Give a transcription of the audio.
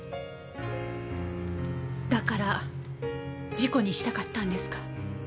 だから事故にしたかったんですか？